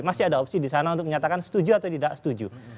masih ada opsi di sana untuk menyatakan setuju atau tidak setuju